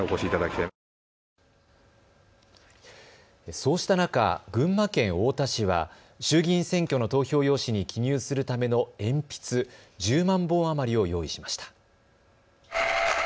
そうした中、群馬県太田市は衆議院選挙の投票用紙に記入するための鉛筆１０万本余りを用意しました。